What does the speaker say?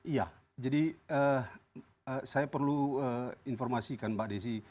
iya jadi saya perlu informasikan mbak desi